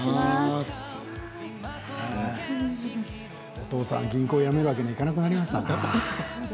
お父さん銀行辞めるわけにはいかなくなりましたね。